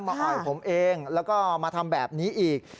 อ่อยผมเองแล้วก็มาทำแบบนี้อีก